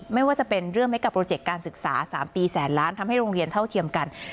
ไม่ว่าจะเป็นเรื่องเมกาโปรเจกต์การศึกษา๓ปีแสนล้านทำให้โรงเรียนเท่าเทียมกัน